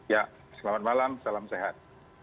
ya selamat malam salam sehat